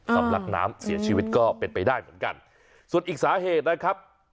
สำลักน้ำเสียชีวิตก็เป็นไปได้เหมือนกันส่วนอีกสาเหตุนะครับ